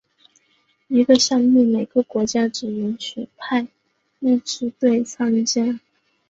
一个项目每个国家只允许派一支队参加。